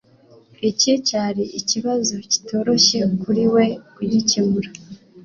Iki cyari ikibazo kitoroshye kuri we kugikemura